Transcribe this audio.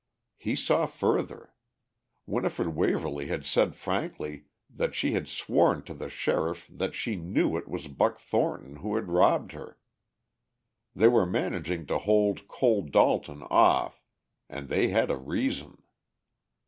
He saw further. Winifred Waverly had said frankly that she had sworn to the sheriff that she knew it was Buck Thornton who had robbed her. They were managing to hold Cole Dalton off, and they had a reason.